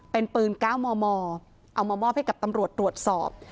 เป็นปืน๙มมเอามามอบให้กับตำรวจตรวจสอบ